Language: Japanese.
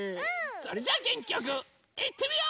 それじゃあげんきよくいってみよう！